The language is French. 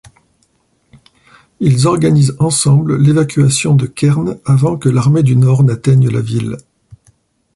Ils organisent ensemble l'évacuation de Kern avant que l'armée du Nord n'atteigne la ville.